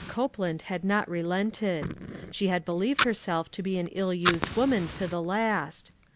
Copeland had not relented ; she had believed herself to be an ill used woman to the last.